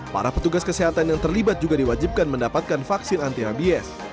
para petugas kesehatan yang terlibat juga diwajibkan mendapatkan vaksin anti rabies